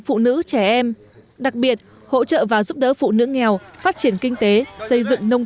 phụ nữ trẻ em đặc biệt hỗ trợ và giúp đỡ phụ nữ nghèo phát triển kinh tế xây dựng nông